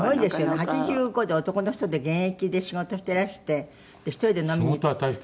８５で男の人で現役で仕事してらして１人で飲みに行く。